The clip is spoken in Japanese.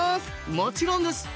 もちろんです！